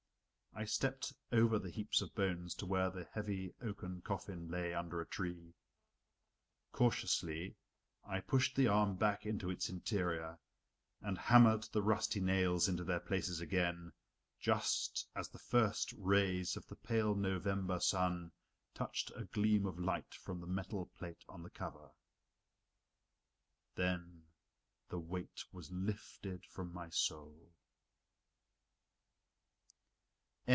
I stepped over the heaps of bones to where the heavy oaken coffin lay under a tree. Cautiously I pushed the arm back into its interior, and hammered the rusty nails into their places again, just as the first rays of the pale November sun touched a gleam of light from the metal plate on the cover. Then the weight was lifted from my soul.